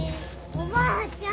おばあちゃん！